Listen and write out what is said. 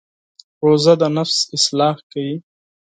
روژه د نفس اصلاح کوي.